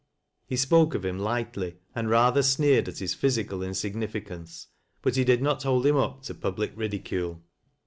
He spoke of him lightly, and rather sneered at his physical insignificance ; but he did not hold him up to public ridicule.